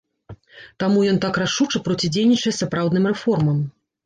Таму ён так рашуча процідзейнічае сапраўдным рэформам.